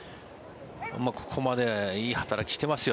ここまでいい働きしてますよ